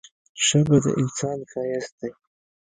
ژبه د انسان ښايست دی.